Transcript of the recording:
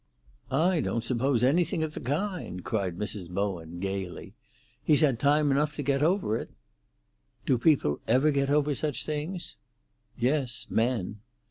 "I don't suppose anything of the kind," cried Mrs. Bowen gaily. "He's had time enough to get over it." "Do people ever get over such things?" "Yes—men."